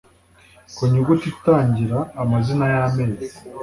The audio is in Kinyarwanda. Ku nyuguti itangira amazina y’amezi